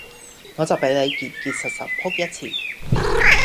我就俾你結結實實仆一次